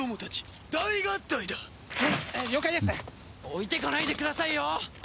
置いていかないでくださいよ！